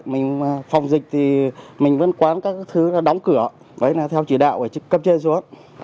mình phòng dịch thì mình vẫn quán các thứ là đóng cửa đấy là theo chỉ đạo của cấp trên xuống